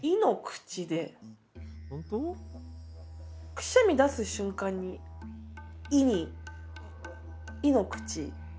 くしゃみ出す瞬間に「い」の口。